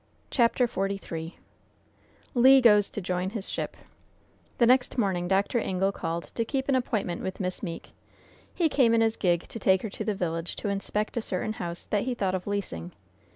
CHAPTER XLIII LE GOES TO JOIN HIS SHIP The next morning Dr. Ingle called to keep an appointment with Miss Meeke. He came in his gig to take her to the village to inspect a certain house that he thought of leasing.